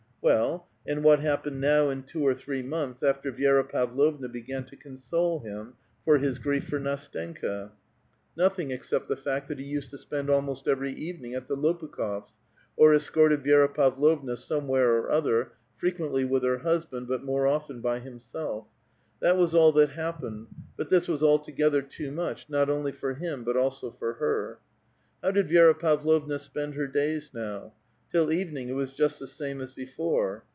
Well, and what happened now ^'i two or three months, after Vi^ra Pavlovna began to con ^fe him for his grief for IS'^stenka? Nothing except the 222 A VITAL QUESTION. fact that he used to spend ahnost every evening at the Lop ukh6fs', or escorted Vi^ra Pavlovna somewhere or other, fre quenUv with her husband, but more often by himself. That was all that happened, but this was altogether too much, not only for him, but also for her. How did Vi6ra Pavlovna spend her days now ? Till evening it was just the same as before.